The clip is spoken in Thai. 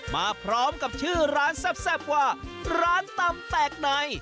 มาพร้อมกับชื่อร้านแซ่บว่าร้านตำแตกใน